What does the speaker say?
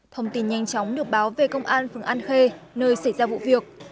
thông tin nhanh chóng được báo về công an phường an khê nơi xảy ra vụ việc